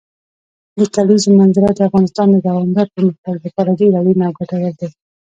د کلیزو منظره د افغانستان د دوامداره پرمختګ لپاره ډېر اړین او ګټور دی.